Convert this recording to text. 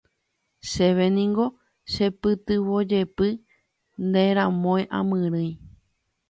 Chéve niko chepytyvõjepi ne ramói amyrỹi.